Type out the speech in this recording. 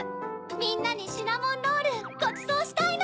みんなにシナモンロールごちそうしたいの！